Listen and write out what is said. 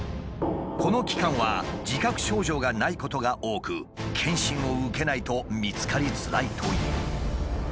この期間は自覚症状がないことが多く検診を受けないと見つかりづらいという。